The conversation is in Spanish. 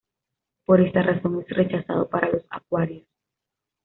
Por esta razón es rechazado para los acuarios.